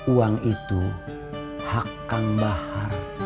uang itu hak kang bahar